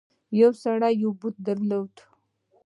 یو سړي یو بت درلود.